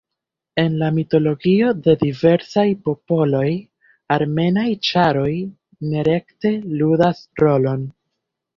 En la mitologio de diversaj popoloj armeaj ĉaroj nerekte ludas rolon.